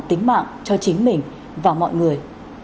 tính mạng cho chính mình và mọi người